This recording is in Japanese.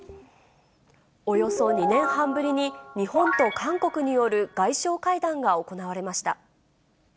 およそ２年半ぶりに、日本と韓国による外相会談が行われました。